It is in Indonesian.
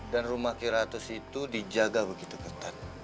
dan rumah kheratus itu dijaga begitu ketat